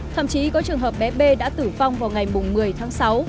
thậm chí có trường hợp bé b đã tử vong vào ngày một mươi tháng sáu